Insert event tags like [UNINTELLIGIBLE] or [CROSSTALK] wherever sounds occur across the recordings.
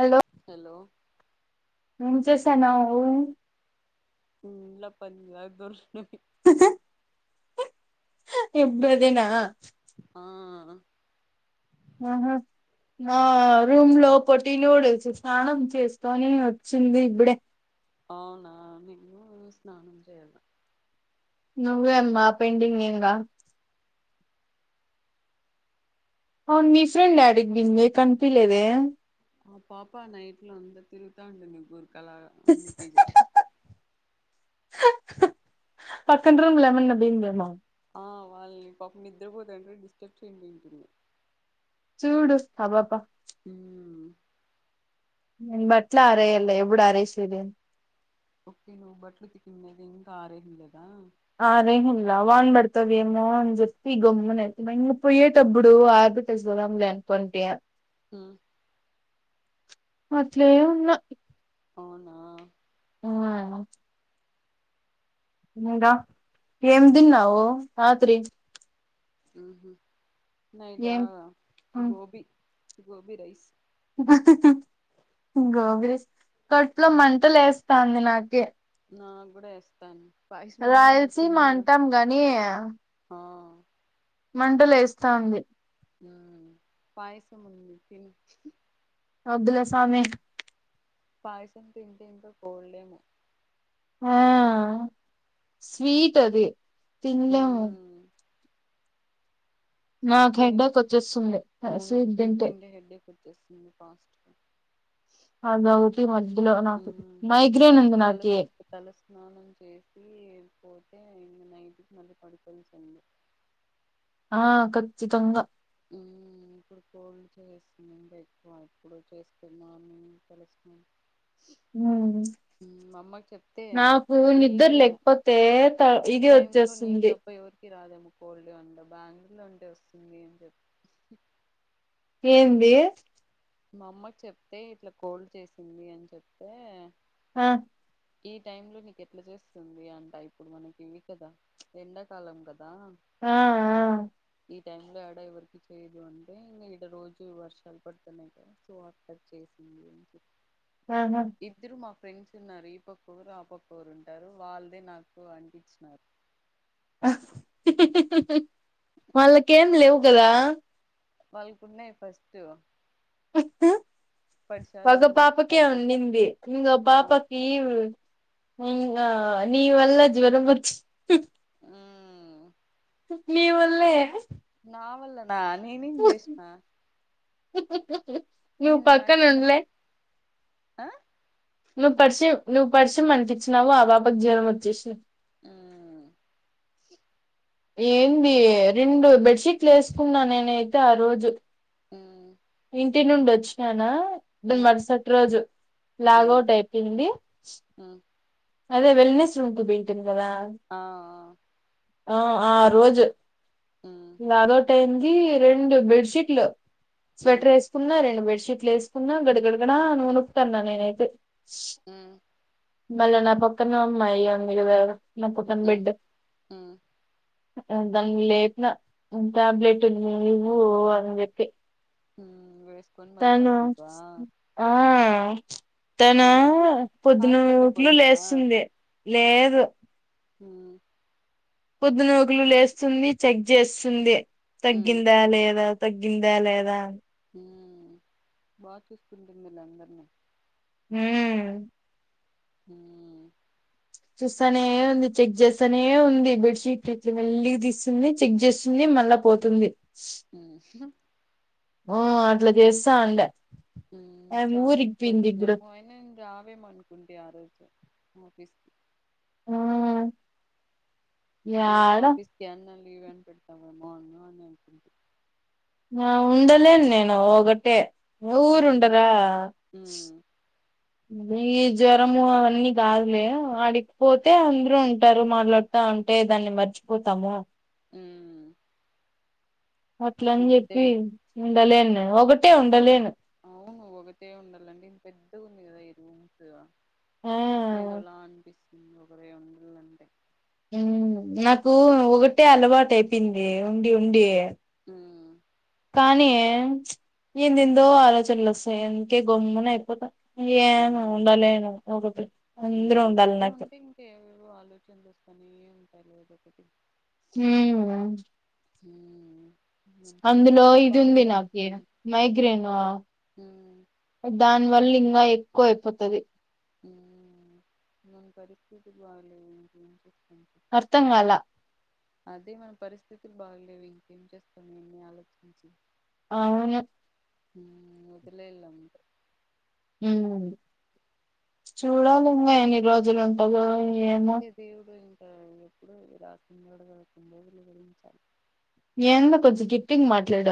Hello hello ఏం చేస్తన్నావు ఇంల్లా పని అయి [UNINTELLIGIBLE] ఎప్పుడదేనా ఆ ఆహా నా రూమ్ లో పోట్టి న్యూడిల్స్ స్నానం చేసుకొని వచ్చింది ఇప్పుడే ఆవునా నేను స్నానం చేయల్ల నువ్వే అమ్మా పెండింగ్ ఇంగా అవును మీ ఫ్రెండ్ ఏడీక్ బింది కనిపిలేదే ఆ పాపా నైట్ లో అంత తిరుగుతా ఉంటుంది బ అలాగా అన్నేజికెట్ పక్కన రూమ్ల ఏమన్నా బోయిందేమో ఆ వాళని పాపం నిద్రపోతంటే డిస్టర్బ్ చేయండికెళ్ళిందేమో చూడు ఆ బాప ఉహ్మ్ నేన్ బట్లా అరేయాలే ఎప్పుడు అరసేది ఒకటి నువ్వు బట్లు ఉతికింది ఇంకా ఆరేసేది లేదా ఆరేహల్లా వాన్ పడతావేమో అని చెప్పి గమ్మున అయితే ఇంకా పొయ్యేటప్పుడు ఆర్బటేసి పోదాం లే అనుకుంట్టే ఆ అట్లే ఉన్నా అవునా ఆ ఇకా ఏమ్ తిన్నావు రాత్రి ఆహ నైట్ా ఏం గోబి గోభీ రైస్ గోబి కడుపులో మంట వేస్తాంది నాక నా కూడా ఇస్థాంది రాయలసీమా అంటాం గానీ ఆ మంటలు లేస్తాంది ఆ పయసం కాద్దులే సామీ పయసం తిడిేకా పోడలేము ఆ స్వీట్ అది తినలేము ఉమ్. స్ీ నాకు హెడ్డేక్ వచ్చేస్తుంది అను స్వీట్ తింటే తిే హెడ్డకి వచ్చేస్తుంది ఫస్ట్ అదొకటి మధ్యలో నాకు ఇప్పుడు మైగ్రేన్ కాని ఉంది నాకి తలప్పు తల స్నానం చేసి వెపో అే నైట్కి న పడుపలు చెడి ఆ కత్చ్చి తంగ ఇప్పుడు ఫన్ చేస్తుందండి ఎక్కువ ఇప్పుడు చేస్తున్నా తెలుసాం ఉమ్. అమ్మకి చెప్తే నాకు ఈ నిద్ర లేకపోతే త ఈ ఇది టైమ్ లో నీకు వచ్చేస్తుంది తప్ప ఎవరు రాదేమ కోల్డ్ అంట బెంగళూరు లో అంటే వస్తుంది అని చెప్ ఏంది మా అమ్మ చెప్తే ఇట్లా కోల్డ్ చేసింది అని చెప్తే ఆ ఈ టైమ్ లో నీకు ఎట్లా చేస్తుంది అంట ఇప్పుడు మనకి ఇవి కదా ఎండాకాలం కదా ఆ ఆ టై లో ఆడ ఎవరికి చేయదు అంటే ఇంకా ఇక్కడ రోజు వర్షాలు పట్ సో అక్కర్ చేసి ఆ ఆహా ఇద్దరు మా ఫ్రెండ్స్ ఉన్నారు ఈ పక్కఒకరు ఆ పక్క ఊరు ఉంటారు వాళ్ళదే నాకు అనిపించినారు ఆ వాళ్ళకం లేవు కదా వాళ్ళకున్నాయి ఫస్ట్ పరిచయాలు ఒకగ ఉన్నాయి పాపకే తగ్గులు ఉండింది ఇంకా ఆ పాపకి హ నీవల్ల జ్వనం వచ్చి ఉమ్ నివల్లే నావళ్లన నా నేనేం చేసిన నువ్వు నీది పక్కన ఉండలే [UNINTELLIGIBLE] ఆ నువ్వు పరిచి నువ్వు పరిచియం అనిపించినావు. ఆ పాపకు జ్వరం వచ్చేసి ఆ ఏంది రెండు బెడ్షీట్లు వేసుకున్నా నేనైతే ఆ రోజు హ్మ్ ఇంటి నుండి వచ్చిననా ఇ ఉమ్ మరుసటి రోజు ఉమ్ లాగౌట్ అయిపోయింది. ఉమ్ అదే వెల్నెస్ ఉంటు [UNINTELLIGIBLE] ఆ ఆ ఆ ఆ రోజు ఉమ్ ఇగా ఆ రోజు టైమ్ [UNINTELLIGIBLE] రెండు బెడ్షీట్లు ఉమ్ స్వెటర్ ఎేసుకున్నా. రెండూ బెడ్షీ బెడ్షీట్లు వేసుకున్నా గడగడగడా ఉనుకుతాన్నా నేనైతే హ్మ్ మళ్ళ నా పక్కన అమ్మాయి [UNINTELLIGIBLE] ఇలా కుత్తన్ హ్మ్ బెడ్ దా హ్మ్ దాన్ని లేపిన టాబ్లెట్ ఇవ్వు అని చెప్పి హ్మ్ వేస్ తను ఆ తను హ్మ్ హాస్పిటల్‌కి పొద్దునట్లు పోలేదా? లేస్తుంది. లేదు ఆ పొద్దున ఓకలు లేస్తుంది. చెక్ చేస్తుంది. హ్మ్ తగ్గిందా లేదా తగ్గిందా లేదా హ్మ్ బాగా చూసుకుంటుందిలే అందరినీ హ్మ్ హ్మ్ చూస్తానే ఉంది. చెక్ చేస్తానే ఉంది. బెడ్షీట్ ఇట్లా మెల్లిగా తీస్తుంది. చెక్ చేస్తుంది. మళ్ళా పోతుంది. హ్మ్ ఓ అట్లా చేస్తా ఉండే హ్మ్ ఆమె చానా ఎక్కువ్ ఊరికిపోయింది వచ్చినాయ్ ఇప్పుడు నువ్ అయిన రావేమో అనుకుంటి ఆ రోజు ఆఫీస్ ఆ ఆ ఏమో ఆఫిస్కి [UNINTELLIGIBLE] లీవ్ అని పెడతాము. బాగుండు అన్నది నా ఉండలేన్ నేను ఒకటే హ్మ్ ఊరుండదా హ్మ్ ఈ జ్వరము అవన్నీ కాదులే ఆడిగిపోతే అందరుూ ఉంటారు మాట్లాడుతా ఉంటే దాన్ని మర్చిపోతాము అ అట్ల అని చెప్పి ఉండలేన్ ఒకటే ఉండలేను అవును ఒకట ఉండాలండి ఇం పెద్ద ఉంది కదా ఈ రూమ్స్ ఆ ఏదొలా అనిపిించస్తు రే ఉండలంటే నాకు ఒకటే అలవాటు అయిపోయింది ఉండి ఉండి ఆ కానీ ఏంద ఎందో ఆలోచనలు వస్తాయి ఇంకే గొమ్మన అయిపోతా ఏమ హ్మ్ ఉండాల ఒక హ్మ్ అందరూ ఉండాలి ఒకటే నాకు ఉంటే ఇంకేవేవో ఆలోచనలు వస్తానే ఉంటా లేదకటి హ హ అందులో ఇది ఉంది నాకి చేస్తాం మైగ్రేన్ హ్మ్ దానివల్ల ఇంకా ఎక్ కోయపోతుది మం పరిస్థితి బాగలేదుం ఏం చెడి అర్థ కాల అదే మన పరిస్థితులు బాగలేవు ఇంకేం చేస్తాన్నాన్ని ఆలోచించి అవును మదిలే ఇలా ఉంట చూడాలి ఇంకా ఎన్ని రోజులు ఉంటయో సదేవుడు ఎప్పుడు రాకందడుకొండు రోజులు విరించాలి ఏంత కొంచం గిఫటింగ్ మాట్లాడ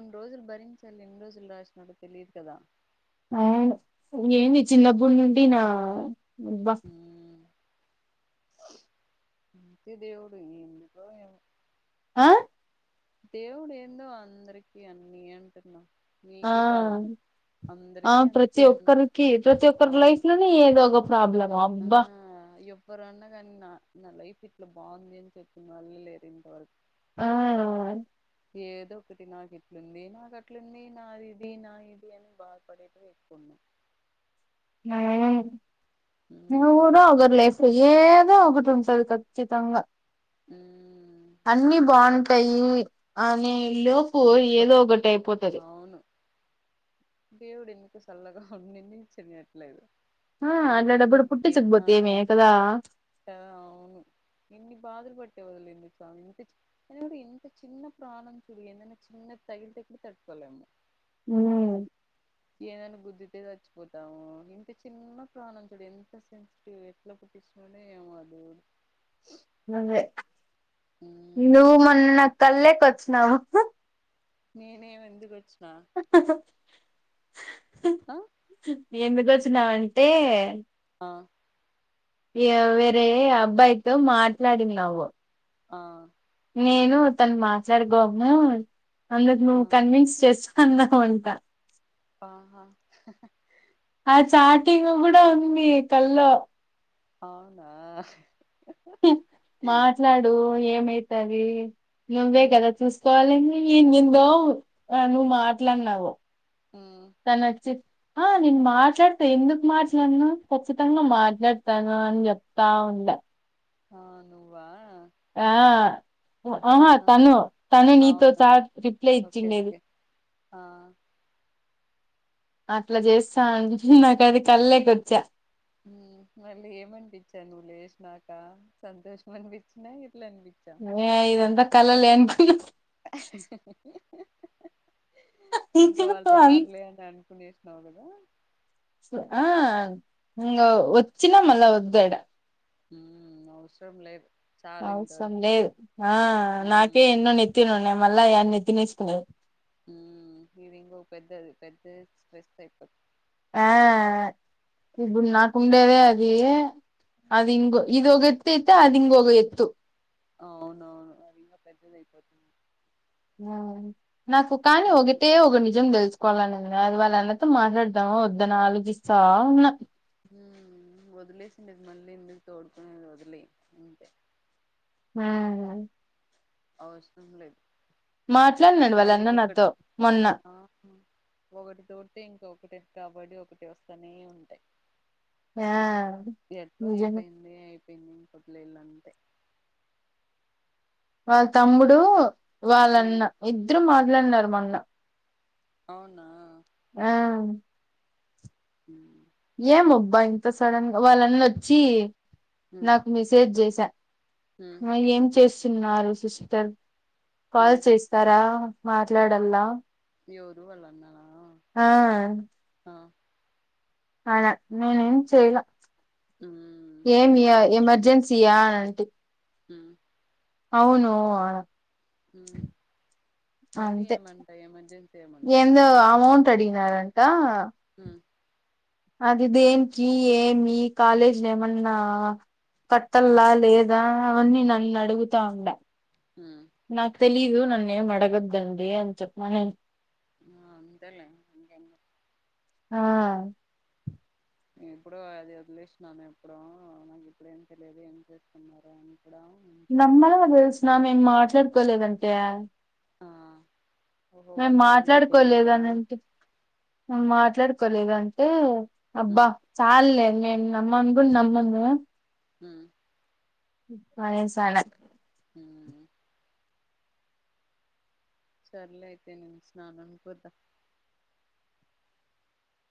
నుూ రోజు బరీ సల్ ఇన్ రోజు రాజ తెలియకదా అ ఏంది చిన్నప్పునుండి నా ముబస్ హ్మ్ దేవుడు ఎందుకో ఆ దేవుడు ఏందో అందరికి అన్న అంటున్నా ఆ నీకే కాదు ఆ అందరికీ ప్రతి అంతే ఉన్నాయి ఒక్కరికి ప్రతి ఒక్కరి అవును లైఫ్ లోని ఏదో ఒక ప్రాబ్లమా అబ్బా ఎవరన్నా కానీ నా లైఫ్ ఇట్లా బాగుంది అని చెప్పిన వాళ్ళు లేరు ఇంత వారకు ఆ ఏదో ఒకటి నాకు ఇట్లుంది నాకు అట్లుంది నాది ఇది నా ఇది అని బాధపడేట ఎక్కువన్నా న ఊ ఉమ్ రా అగర లేఫ ఏదో ఆ ఒకటంది ఖచ్చితంగా ఉమ్ అన్ని బాగుంటాయి యి అ ఈ లోపు ఏదో ఒకటి అయిపోతది దేవుడి ఎంటికు సల్లగా నిన్న స నట్లే ఆ ఇదు ఇకి ఏదో అట్లాటప్పుడు ఒక పుట్టి ఒకటి ఆ చిక్పోతే ఏమే కదా అవును ఇన్ని బాధలు ందుంత ఎంత చిన్న ప్రాణం చ చిన్న తగిల్ తకుటి తట్టుకోలేమ్ హ్మ్ ఏదైనా గుద్దితే చచ్చిపోతాము ఇంత చిన్న ప్రాణం చూడు ఎంత సెన్సిటివ్ ఎట్ల పుట్టిచ్చినాడో ఏమో ఆ దేవుడు అదే నువ్వు ఉమ్ మొన్న కళ్ళోకి చ్చినావు నేనేం ఎందుకొ ఆ ఎందుకు వచ్చినావంటే ఆ వేరే అబ్బాయితో మాట్లాడినావు ఆ నేను తను మాట్లాడుగోము అందరు ఆ నువ్వు కన్విన్స్ చేస్తు కన్నావంట ఆహా ఆ చాటింగ్ కూడా ఉంది కల్లో అవునా మాట్లాడు ఏమై తదీ నువ్వే ఉమ్ కదా చూసుకోవాలి ఏందేందో ఆ నువ్వు మాట్లాడినావు ఉమ్ తనొచ్చి ఆ నేను మాట్లాడుత ఎందుకు మాట్లాడను ఖచ్చితంగా ఉమ్. మాట్లాడుతాను ఆ అనీ చెప్తావుండ ఆ నువ్వా? ఆ ఆహా.. తను తను నీతో అవునా చాట్ రిప్లై ఓకే ఇచ్చిండేది ఓకే ఆ అట్ల చేస్తాంటే నాకది కళ్ళెకి వచ్చా మ్మ్ మళ్ళీ ఏమనిపించ నువ్వు లేసినాక సంతోషం అనిపిచ్చినా నే ఇదంతా కళలే అనుకున్న, ఇంక వాళ్ళు రారులే అను, ఇప్పు లేసినవ్ కదా, ఆ ఇంగ వచ్చిన మళ్ళ వద్దాడ, హు అవసరం లేదు, చాలు అవసరం ఇంతవరకు లేదు. ఆ హ్మ్ నాకే ఎన్నో నెత్తినున్నాయి, మల్ల యాడ నెత్తినేసుకునేది, ఇది ఇంకో పెద్దది పెద్ద స్ట్రెస్ అయిపో, ఆ ఇప్పుడు నాకుండేదే అది, అది ఇంగ్ ఇది గో, ఎత్తయితే అది ఇంగువో ఎత్తు, అవునువును అది ఇంగా పెద్దది అయిపోతుంది, హా నాకు కాని ఇప్పుడుండు ఒగితేే ఒక నిజం తెలుసుకోవల అని అది వాళ్ళ అన్నతో మాట్లాడతాము వద్దని ఆలోచిస్తా ఉన్న వదిలేసింది మళ్ళీ. ఎందుకు తోడుకునేది వదిలేయి అంతే, ఆ అవసరం లేదు, మాట్లాడినాడు మళ్ళీ వాళ్ళన్న ఒకటి నాతో మొన్న ఆ ఒకటి తోటి ఇంకొకటి కాబ, బడి ఒకటి వస్తనే ఉంటాయి, ఆ ఎట్లో నిజంగా, అయిపోయింది అయిపోయింది ఇంక వదిలేయాలి అంతే, వాళ్ళ తమ్ముడు, వాళ్ళ ఉమ్ అన్న ఇద్దరు మా, [INAUDIBLE] మొన్న, అవునా, ఆ ఉహు ఏం అబ్బా ఇంత సడన్ వాళ్ళ అన్న వచ్చి, ఉమ్ నాకు మెసేజ్ చేసి, చె ఉమ్ [UNINTELLIGIBLE] ఆ ఏం చేసు తిన్నారు సిస్టర్, కాల్ ఉమ్ చేస్తారా, మాట్లాడాలా, ఎవరు వాళ్ళ అన్ననా ఆ అనా నేను ఏం చేయాలా, ఉమ్ ఏం ఏమియా ఎమర్జెన్సీ యా అని అంటి, హ అవును మళ్ళీ అంతే ఏమంటా ఎమర్జెన్సీ ఏమంటా అడిగినారంటా మ్మ్ అది దేనికి ఏమి కాలేజీ ఏమన్నా ఉమ్ కట్టల్లా లేదా అవన్నీ నన్ను అడుగుతా ఉండ హ్మ నాకు తెలీదు నన్నే అడగద్ద్దండి అంత చెప్ప మన ఆ అంతలే అ ఆ ే ఎప్పుడు అది వదిలేసినాను ఎప్పుడు నాకు ఇప్పుడు ఏం తెలియదు ఏం చేస్తుకున్నారు అ నమ్మ అ నామ్ ఏం మాట్లాడు క్కలేదంత ఆ ఓహో మేము వాళ్ళకి ఎవరికి తెలియదా మాట్లాడుకోలేదనింటి మాట్ మాట్లాడుకోలేదు అంటే ఉ అబ్బా చాల లే నమ్మను కూడా నమ్మను మ్మ్ పరే సాల హ్మ సర్ల అయితే నిను స్నానంకి పోత